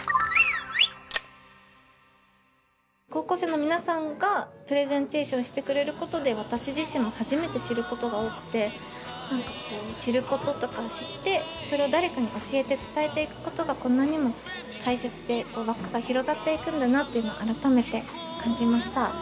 高校生の皆さんがプレゼンテーションしてくれることで私自身も初めて知ることが多くて知ることとか知ってそれを誰かに教えて伝えていくことがこんなにも大切で輪っかが広がっていくんだなっていうのを改めて感じました。